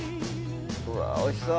うわぁおいしそう。